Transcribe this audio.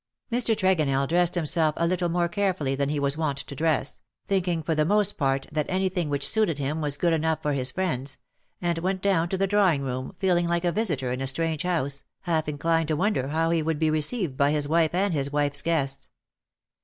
'^ Mr. Tregonell dressed himself a little more care fully than he was wont to dress — thinking for the most part that anything which suited him was good enough for his friends — and went down to the drawing room, feeling like a visitor in a strange house, half inclined to wonder how he would be re ceived by his wife and his wife's guests.